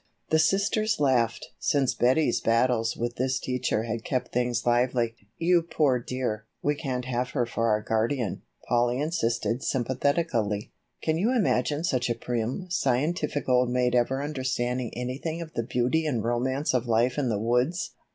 The sisters laughed, since Betty's battles with this teacher had kept things lively. "You poor dear, we can't have her for our guardian," Polly insisted sympathetically. "Can you imagine such a prim, scientific old maid ever understanding anything of the beauty and romance of life in the woods?